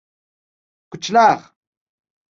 کچلاغ